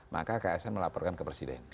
maka ksn melaporkan ke presiden